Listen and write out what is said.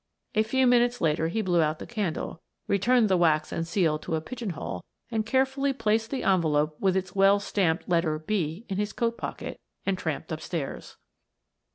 A few minutes later he blew out the candle, returned the wax and seal to a pigeon hole, and carefully placed the envelope with its well stamped letter "B" in his coat pocket, and tramped upstairs.